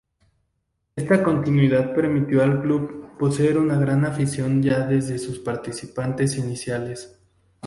Esa continuidad permitió al club poseer una gran afición ya desde sus participaciones iniciales.